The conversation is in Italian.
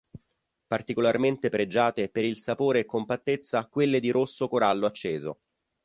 Particolarmente pregiate per il sapore e compattezza quelle di rosso corallo acceso.